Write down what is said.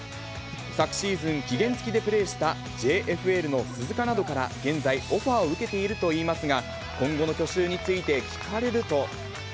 昨シーズン、期限付きでプレーしたＪＦＬの鈴鹿などから現在、オファーを受けているといいますが、今後の去就について聞かれると。